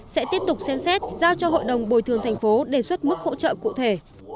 sẽ tiếp tục xem xét giao cho hội đồng bồi thường thành phố đề xuất mức hỗ trợ cụ thể